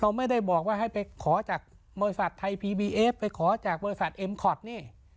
ไม่ได้บอกว่าให้ไปขอจากบริษัทไทยพีบีเอฟไปขอจากบริษัทเอ็มคอร์ดนี่